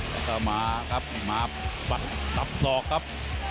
แล้วก็มาปัดตับสอกครับ